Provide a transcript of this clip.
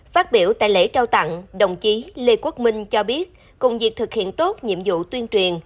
phát biểu tại lễ trao tặng đồng chí lê quốc minh cho biết cùng việc thực hiện tốt nhiệm vụ tuyên truyền